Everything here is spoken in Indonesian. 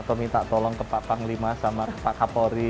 atau minta tolong ke pak panglima sama pak kapolri